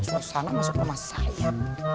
suasana masuk rumah saya